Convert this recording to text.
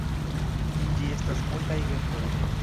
En ĝi estas multaj genroj.